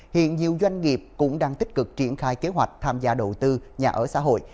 hiện nhiều doanh nghiệp cũng đang tích cực triển khai kế hoạch tham gia đầu tư nhà ở xã hội